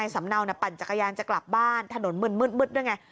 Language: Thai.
สำเนาปั่นจักรยานจะกลับบ้านถนนมึนมืดด้วยไง